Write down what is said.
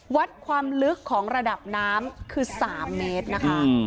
วัดความลึกของระดับน้ำคือ๓เมตรนะคะ